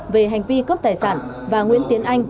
về hành vi cướp tài sản và nguyễn tiến anh